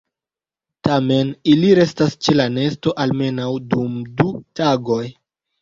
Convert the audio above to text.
Tamen ili restas ĉe la nesto almenaŭ dum du tagoj.